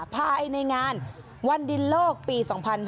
ภายในงานวันดินโลกปี๒๕๕๙